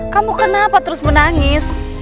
kamu kenapa terus menangis